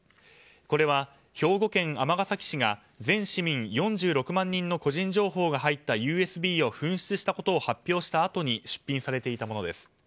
これは兵庫県尼崎市が全市民４６万人の個人情報が入ったＵＳＢを紛失したことを発表したあとに出品されていたものです。